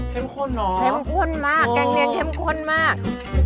เข้มข้นเหรอโอ้โฮเข้มข้นมากแกงเนียงเข้มข้นมาก